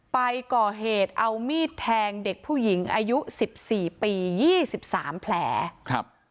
ไปก่อเหตุเอามีดแทงเด็กผู้หญิงอายุสิบสี่ปียี่สิบสามแผลครับ